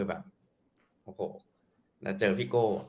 แล้วเจอพี่โก้